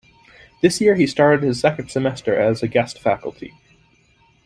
This year, he started his second semester as a guest faculty.